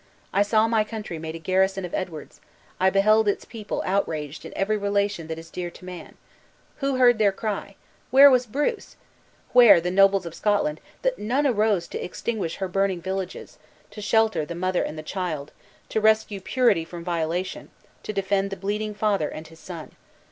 I saw my country made a garrison of Edward's, I beheld its people outraged in every relation that is dear to man. Who heard their cry? Where was Bruce? Where the nobles of Scotland, that none arose to extinguish her burning villages, to shelter the mother and the child, to rescue purity from violation, to defend the bleeding father and his son?